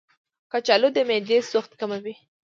کچالو د معدې سوخت کموي.